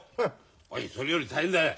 おいそれより大変だよ。